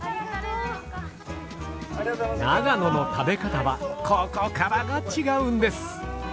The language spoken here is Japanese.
長野の食べ方はここからが違うんです。